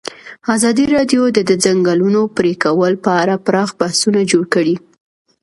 ازادي راډیو د د ځنګلونو پرېکول په اړه پراخ بحثونه جوړ کړي.